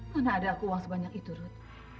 mana ada aku uang sebanyak itu rod